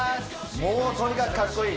もうとにかくかっこいい！